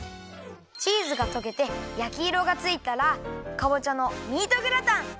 チーズがとけてやきいろがついたらかぼちゃのミートグラタン！